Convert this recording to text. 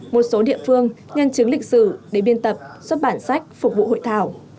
một số địa phương nhân chứng lịch sử để biên tập xuất bản sách phục vụ hội thảo